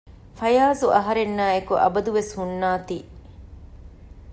ފަޔާޒު އަހަރެންނާއި އެކު އަބަދުވެސް ހުންނާތީ